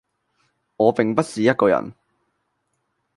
我並不是一個人